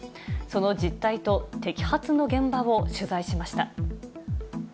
その実態と摘発の現場を取材しました。